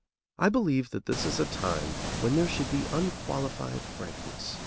I believe that this is a time when there should be unqualified frankness.